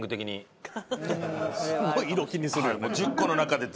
すごい色気にするよね。